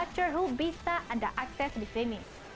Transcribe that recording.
watcher who bisa anda akses di sini